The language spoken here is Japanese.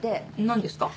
何ですか？